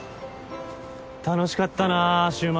楽しかったな週末。